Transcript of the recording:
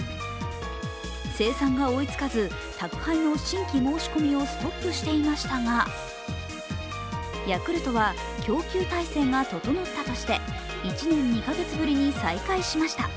生産が追いつかず、宅配の新規申し込みをストップしていましたがヤクルトは供給体制が整ったとして１年２か月ぶりに再開しました。